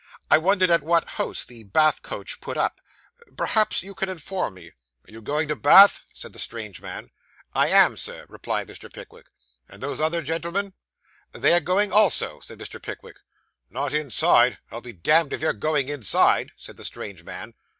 'I wondered at what house the Bath coach put up. Perhaps you can inform me.' Are you going to Bath?' said the strange man. 'I am, sir,' replied Mr. Pickwick. 'And those other gentlemen?' 'They are going also,' said Mr. Pickwick. 'Not inside I'll be damned if you're going inside,' said the strange man.